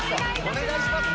お願いします。